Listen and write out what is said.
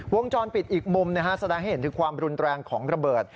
วงจรปิดอีกมุมแสดงให้เห็นถึงความรุนแรงของระเบิด